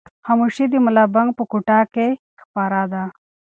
خاموشي د ملا بانګ په کوټه کې خپره ده.